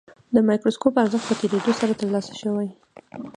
د مایکروسکوپ ارزښت په تېرېدو سره ترلاسه شوی.